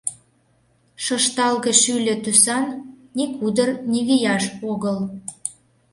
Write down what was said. Шышталге-шӱльӧ тӱсан, ни кудыр, ни вияш огыл.